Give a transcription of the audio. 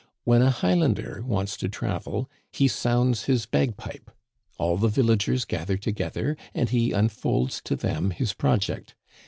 When a Highlander wants to travel, he sounds his bagpipe ; all the villagers gather together and he unfolds to them his project.